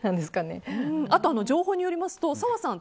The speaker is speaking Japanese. あと、情報によりますと澤さん